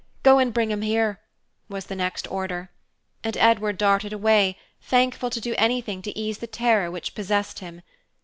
Go and bring him here" was the next order; and Edward darted away, thankful to do anything to ease the terror which possessed him.